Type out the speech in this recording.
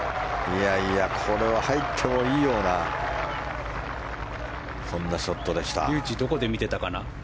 これは入ってもいいようなそんなショットでした。